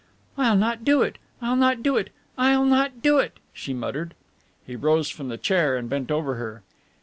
"I'll not do it, I'll not do it, I'll not do it," she muttered. He rose from the chair and bent over her.